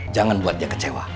jangan buat dia kecewa